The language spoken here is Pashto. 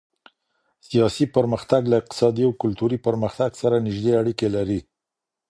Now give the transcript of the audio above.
سياسي پرمختګ له اقتصادي او کلتوري پرمختګ سره نږدې اړيکي لري.